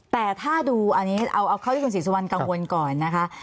แต่ถ้าดูอันนี้เอาเข้าที่คุณศรีสุวรรณกังวลก่อนนะคะ